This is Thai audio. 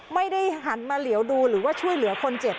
ไม่ได้หันมาเหลียวดูหรือว่าช่วยเหลือคนเจ็บ